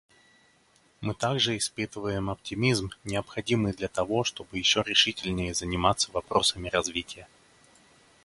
Мы также испытываем оптимизм, необходимый для того, чтобы еще решительнее заниматься вопросами развития.